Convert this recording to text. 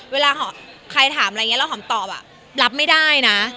เวลาใครถามอะไรอย่างนี้เราหอมตอบอ่ะรับไม่ได้นะ